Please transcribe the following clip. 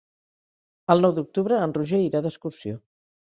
El nou d'octubre en Roger irà d'excursió.